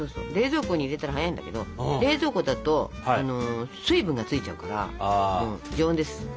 冷蔵庫に入れたら早いんだけど冷蔵庫だと水分がついちゃうから常温です。